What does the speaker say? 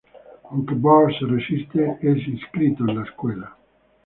Aunque Bart se resiste, es inscrito en la Escuela.